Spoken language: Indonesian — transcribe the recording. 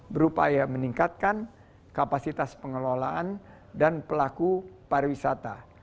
berupaya meningkatkan kapasitas pengelolaan dan pelaku pariwisata